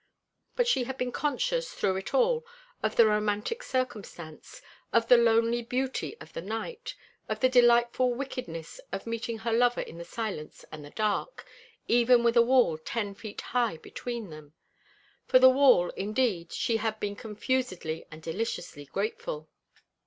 But she had been conscious through it all of the romantic circumstance, of the lonely beauty of the night, of the delightful wickedness of meeting her lover in the silence and the dark, even with a wall ten feet high between them. For the wall, indeed, she had been confusedly and deliciously grateful.